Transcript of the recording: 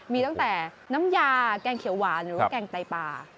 มีตั้งแต่น้ำยาแกงเขียวหวานหรือว่าแกงไตปลา